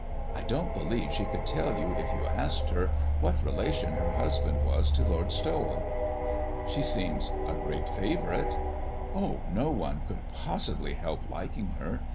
I don't believe she could tell you, if you asked her, what relation her husband was to Lord Stowell." "She seems a great favourite." "Oh, no one could possibly help liking her.